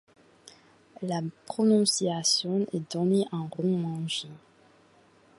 La prononciation est donnée en rōmaji.